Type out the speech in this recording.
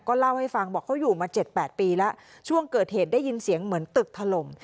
เล่าให้ฟังบอกเขาอยู่มา๗๘ปีแล้วช่วงเกิดเหตุได้ยินเสียงเหมือนตึกถล่ม